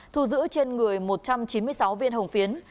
thu giữ trên người một trăm chín mươi sáu viên hồng phiến